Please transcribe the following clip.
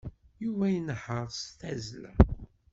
Yuba inehheṛ s tazzla.